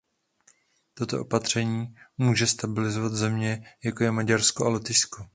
Toto opatření pomůže stabilizovat země, jako je Maďarsko a Lotyšsko.